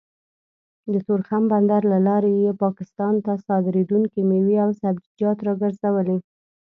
د تورخم بندر له لارې يې پاکستان ته صادرېدونکې مېوې او سبزيجات راګرځولي